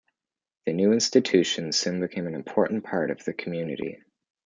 The new institution soon became an important part of the community.